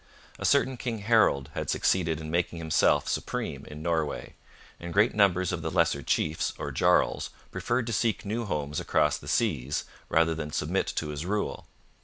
A certain King Harold had succeeded in making himself supreme in Norway, and great numbers of the lesser chiefs or jarls preferred to seek new homes across the seas rather than submit to his rule.